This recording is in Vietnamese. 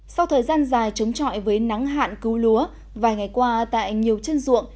sau thời gian dài chống trọi với nắng hạn cứu lúa vài ngày qua tại nhiều chân ruộng